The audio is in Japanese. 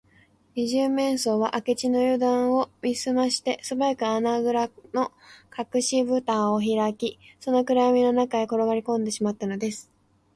二十面相は明智のゆだんを見すまして、すばやく穴ぐらのかくしぶたをひらき、その暗やみの中へころがりこんでしまったのです